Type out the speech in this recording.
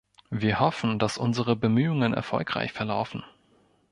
Wir hoffen, dass unsere Bemühungen erfolgreich verlaufen.